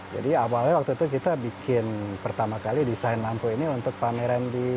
jadi awalnya waktu itu kita bikin pertama kali desain lampu ini untuk pameran di